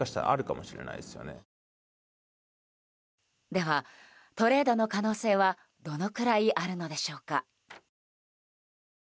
では、トレードの可能性はどのくらいあるのでしょうか。